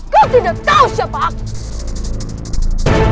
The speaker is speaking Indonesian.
kau tidak tahu siapa aku